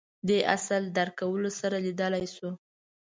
دې اصل درک کولو سره لیدلای شو